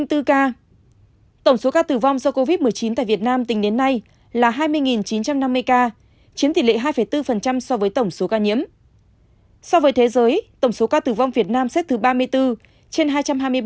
tổng số ca tử vong do covid một mươi chín tại việt nam tính đến nay là hai mươi chín trăm năm mươi ca chiếm tỷ lệ hai bốn so với tổng số ca nhiễm